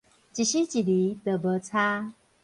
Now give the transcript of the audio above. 一絲一厘都無差